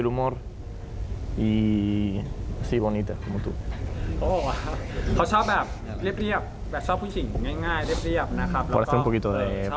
เป็นคนอารมณ์ขาดมีอารมณ์ขาด